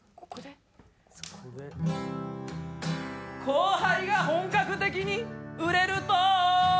「後輩が本格的に売れると」